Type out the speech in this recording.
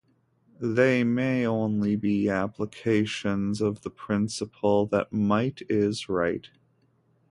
They may only be applications of the principle that might is right.